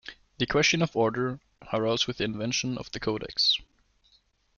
The question of order arose with the invention of the codex.